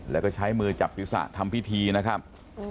แล้วก็ใช้มือจับศีรษะทำพิธีนะครับ